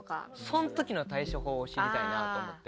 その時の対処法を知りたいなと思って。